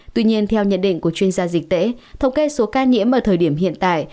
tuy nhiên theo nhận định của chuyên gia dịch tễ thống kê số ca nhiễm ở thời điểm hiện tại